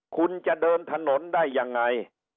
คุณจะเดินถนนได้ยังไง